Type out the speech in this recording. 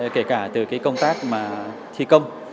kể cả từ công tác thi công